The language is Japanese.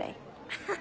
アハハハ。